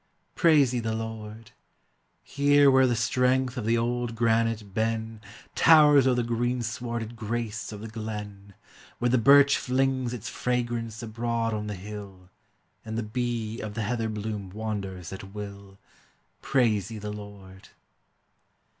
Praise ye the Lord! Here where the strength of the old granite Ben Towers o'er the greenswarded grace of the glen, Where the birch flings its fragrance abroad on the hill, And the bee of the heather bloom wanders at will, Praise ye the Lord!